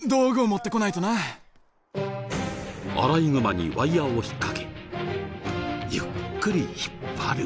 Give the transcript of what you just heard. アライグマにワイヤを引っかけゆっくり引っ張る。